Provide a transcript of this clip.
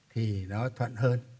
thì nó thuận hơn